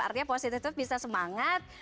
artinya positif itu bisa semangat